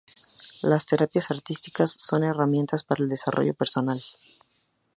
Las terapias artísticas son herramientas para el desarrollo personal.